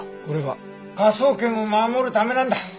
これは科捜研を守るためなんだ。